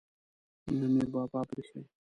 نه مې بابا پریښی.